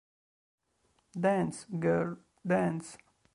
Dance, Girl, Dance